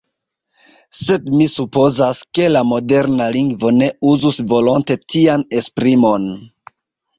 Sed mi supozas, ke la moderna lingvo ne uzus volonte tian esprimon.